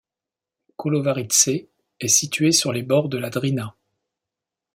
Kolovarice est situé sur les bords de la Drina.